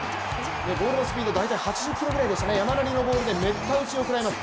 ボールのスピード、大体８０キロぐらいでしたね、山なりのボールでめった打ちを食らいます。